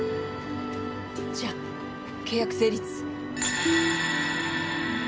じゃあ契約成立。